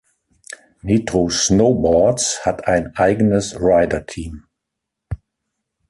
Nitro Snowboards hat ein eigenes Rider-Team.